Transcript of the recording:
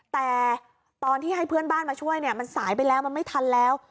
แต่ตอนที่ให้เพื่อนบ้านมาช่วยเนี่ยมันสายไปแล้วมันไม่ทันแล้ว